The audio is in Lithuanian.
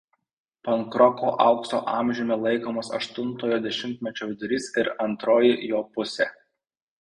Pankroko aukso amžiumi laikomas aštuntojo dešimtmečio vidurys ir antroji jo pusė.